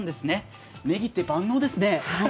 ねぎって万能ですね。